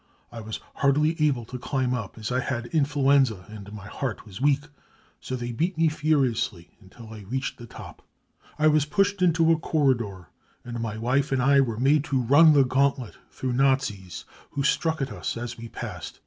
I was hardly airle to climb up, as _ had influenza and my heart was weak, so they beat me furiously until I reached the top. I was pushed into a corridor, and my wife and I were made to run the gauntlet through Nazis who struck at us as we passed.